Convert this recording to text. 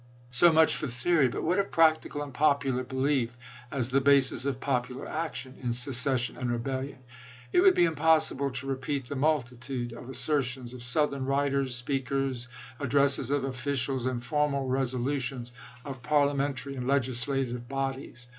So much for theory. But what of practical and popular belief as the basis of popular action in secession and rebellion ? It would be impossible to repeat the multitude of assertions of Southern writers, speakers, addresses of officials, and formal resolutions of parliamentary and legislative bodies.